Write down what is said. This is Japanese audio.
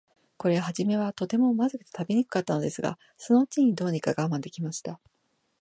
これははじめは、とても、まずくて食べにくかったのですが、そのうちに、どうにか我慢できました。